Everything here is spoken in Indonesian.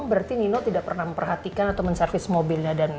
berarti itu benar ricky